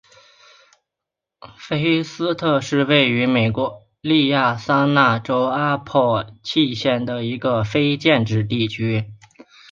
菲斯特是位于美国亚利桑那州阿帕契县的一个非建制地区。